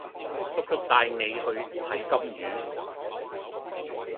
叔叔帶你去睇金魚